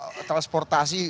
hotel penuh transportasi